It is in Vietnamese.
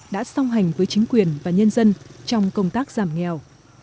đã song hành với chính quyền và nhân dân trong công tác giảm nghèo